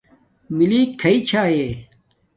مِلیک کھݳئی چھݳئݺ؟